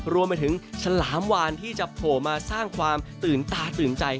รวมไปถึงฉลามวานที่จะโผล่มาสร้างความตื่นตาตื่นใจ